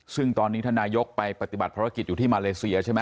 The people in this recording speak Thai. ซึ่งตอนนี้ท่านนายกไปปฏิบัติภารกิจอยู่ที่มาเลเซียใช่ไหม